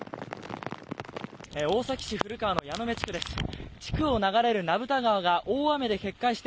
大崎市古川の矢目地区です。